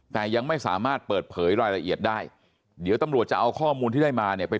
แต่ยังไม่สามารถเปิดเผยรายละเอียดได้เดี๋ยวตำรวจจะเอาข้อมูลที่ได้มาเนี่ยไป